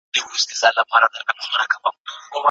تاریخي پوهه تر خیالي داستانونو پیاوړې وي.